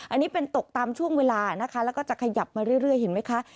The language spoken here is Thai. อันนี้เป็นตกตามช่วงเวลานะคะแล้วก็จะขยับมาเรื่อยเห็นไหมคะ